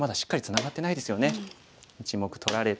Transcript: １目取られて。